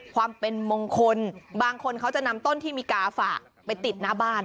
ความเป็นมงคลบางคนเขาจะนำต้นที่มีกาฝากไปติดหน้าบ้าน